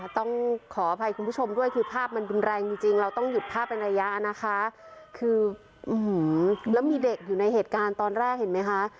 ต้องขออภัยคุณผู้ชมด้วยคือภาพมันรุนแรงจริงเราต้องหยุดภาพเป็นระยะนะคะคือแล้วมีเด็กอยู่ในเหตุการณ์ตอนแรกเห็นไหมคะ